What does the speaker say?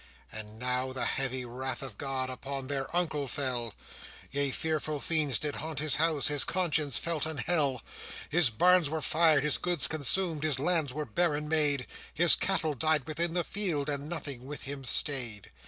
And now the heavy wrath of God Upon their uncle fell; Yea, fearful fiends did haunt his house, His conscience felt an hell: His barns were fired, his goods consumed, His lands were barren made, His cattle died within the field, And nothing with him stayed.